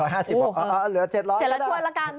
หรือ๗๕๐บาทอ๋อเหลือ๗๐๐บาท